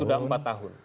sudah empat tahun